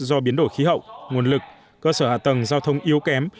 do biến đổi khí hậu nguồn lực cơ sở hạ tầng giao thông yếu kém